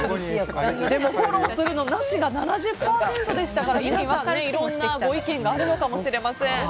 フォローするのなしが７０％でしたから皆さん、いろんなご意見があるのかもしれません。